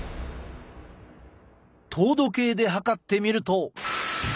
糖度計で測ってみると。